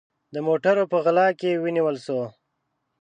د موټروپه غلا کې ونیول سو